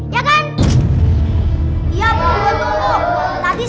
iya bu gue tengok tadi si ony main sama saya